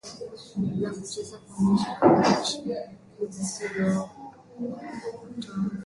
na kucheza kuonyesha heshima kwa ujasiri wa watoto wao hamsini na tisa Wanamuziki wa